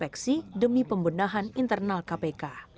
feksi demi pembendahan internal kpk